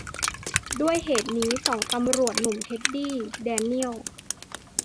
ด้วยเหตุนี้สองตำรวจหนุ่ม เท็ดดี้ แดเนียลส์